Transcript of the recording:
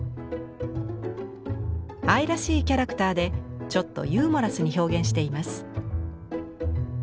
愛らしいキャラクターでちょっとユーモラスに表現しています。